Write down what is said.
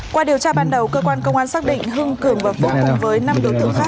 qua điều tra ban đầu cơ quan công an xác định hưng cường và phúc cùng với năm đối tượng khác